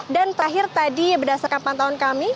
dan terakhir tadi berdasarkan pantauan kami